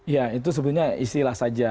ya itu sebetulnya istilah saja